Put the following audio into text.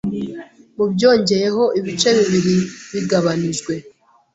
Mubyongeyeho ibice bibiri bigabanijwe